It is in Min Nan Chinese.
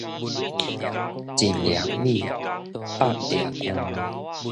一粒米，百粒汗